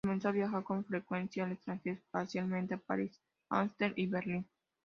Comenzó a viajar con frecuencia al extranjero, especialmente a París, Ámsterdam y Berlín.